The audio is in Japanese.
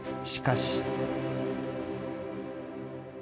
しかし。